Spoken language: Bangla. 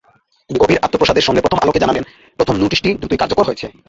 তিনি গভীর আত্মপ্রসাদের সঙ্গে প্রথম আলোকে জানালেন, প্রথম নোটিশটি দ্রুতই কার্যকর হয়েছে।